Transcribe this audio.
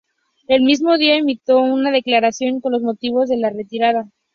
El mismo día emitió una declaración con los motivos de la retirada.